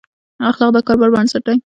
اخلاق د کاروبار بنسټ دي.